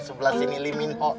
sebelah sini lee min ho